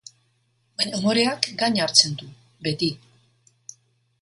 Baina umoreak gaina hartzen du, beti!